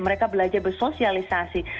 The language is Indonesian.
mereka belajar bersosialisasi